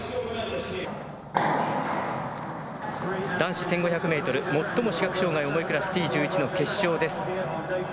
男子１５００メートル、最も視覚障害重いクラス、Ｔ１１の決勝です。